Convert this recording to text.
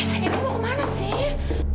eh itu mau kemana sih